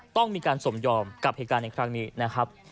ต้องมีการสมยอมกับเหตุการณ์ในครั้งนี้นะครับ